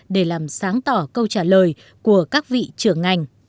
để làm sáng tỏ câu trả lời của các vị trưởng ngành